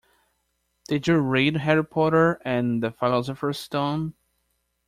Did you read Harry Potter and the Philosopher's Stone?